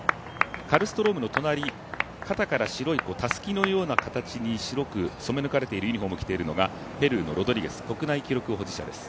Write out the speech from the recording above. カルストロームの隣方から白いたすきのような形に白く染め抜かれているユニフォームを着ているのがペルーのロドリゲス、国内記録保持者です。